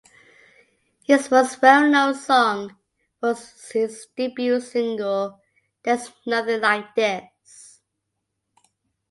His most well-known song was his debut single "There's Nothing Like This".